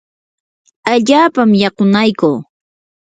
allaapam yakunaykuu.